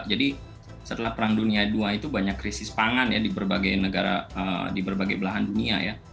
jadi setelah perang dunia ii itu banyak krisis pangan ya di berbagai negara di berbagai belahan dunia ya